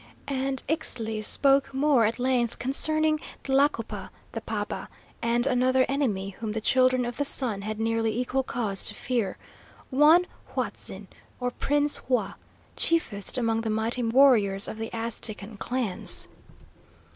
And Ixtli spoke more at length concerning Tlacopa, the paba, and another enemy whom the Children of the Sun had nearly equal cause to fear, one Huatzin, or Prince Hua, chiefest among the mighty warriors of the Aztecan clans.